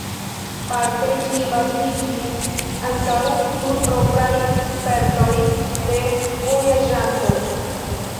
Parte ĝi baziĝis ankaŭ sur propraj spertoj de vojaĝanto.